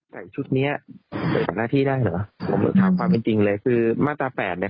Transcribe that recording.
ชุดเนี้ยปฏิบัติหน้าที่ได้เหรอผมถามความเป็นจริงเลยคือมาตราแปดเนี้ย